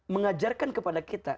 mengajarkan kepada kita